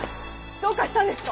どうかしたんですか？